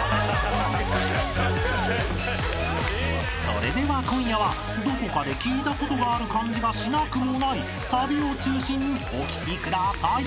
［それでは今夜はどこかで聞いたことがある感じがしなくもないサビを中心にお聞きください］